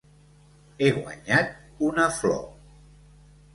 He guanyat una flor.